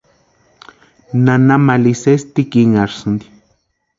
Nana Mali sesi tikinarhisïnti.